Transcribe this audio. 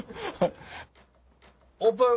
オープン！